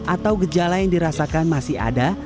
atau gejala yang dirasakan masih ada